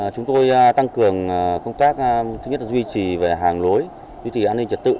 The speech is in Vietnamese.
chúng tôi tăng cường công tác duy trì hàng lối duy trì an ninh trật tự